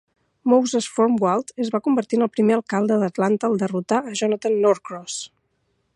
Moses Formwalt es va convertir en el primer alcalde d'Atlanta al derrotar a Jonathan Norcross.